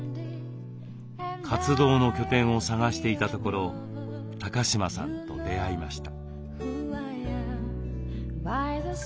活動の拠点を探していたところ高島さんと出会いました。